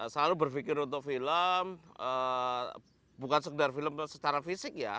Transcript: selalu berpikir untuk film bukan sekedar film secara fisik ya